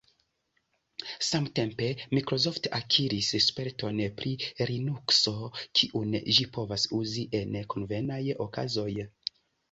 Samtempe Microsoft akiris sperton pri Linukso, kiun ĝi povas uzi en konvenaj okazoj.